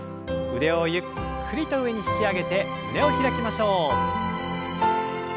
腕をゆっくりと上に引き上げて胸を開きましょう。